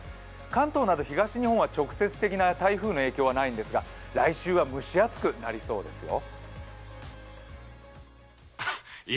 関東など東日本は直接的な台風の影響はないんですが来週は蒸し暑くなりそうですよ。